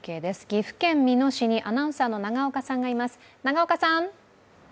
岐阜県美濃市にアナウンサーの永岡さんがいます。